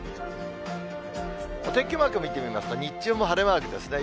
お天気マーク見てみますと、日中も晴れマークですね。